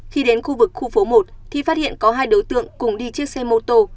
khi đến khu vực khu phố một thì phát hiện có hai đối tượng cùng đi chiếc xe mô tô